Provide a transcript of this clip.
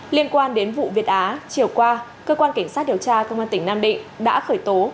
liên quan đến vụ việt á chiều qua cơ quan cảnh sát điều tra công an tỉnh nam định đã khởi tố